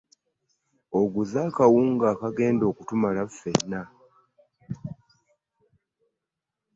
Oguze akawunga akagenda okutumala ffena.